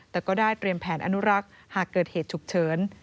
แต่ก็ได้เตรียมแผนอนุรักษ์หากเกิดเหตุฉุกเฉิน